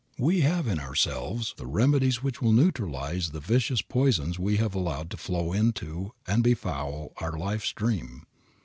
We have in ourselves the remedies which will neutralize the vicious poisons we have allowed to flow into and befoul our life stream.